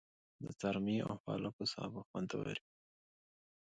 د څارمي او پالکو سابه خوندور وي.